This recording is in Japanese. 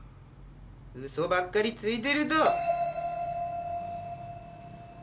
嘘ばっかりついてると。